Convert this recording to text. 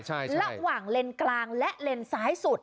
ใช่ระหว่างเลนกลางและเลนซ้ายสุด